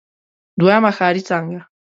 دويمه ښاري څانګه.